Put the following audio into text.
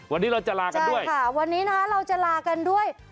วันนี้เราจะลากันด้วยค่ะวันนี้นะคะเราจะลากันด้วย